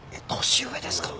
年上ですか？